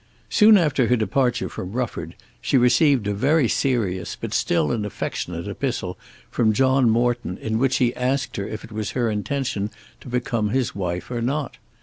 Soon after her departure from Rufford she received a very serious but still an affectionate epistle from John Morton in which he asked her if it was her intention to become his wife or not.